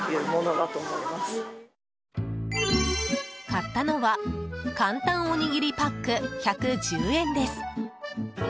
買ったのは簡単おにぎりパック１１０円です。